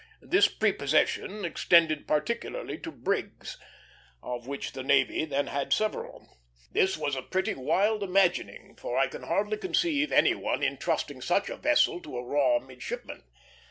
This prepossession extended particularly to brigs, of which the navy then had several. This was a pretty wild imagining, for I can hardly conceive any one in trusting such a vessel to a raw midshipman.